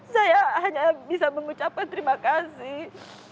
saya hanya bisa mengucapkan terima kasih